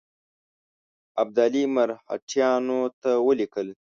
ابدالي مرهټیانو ته ولیکل.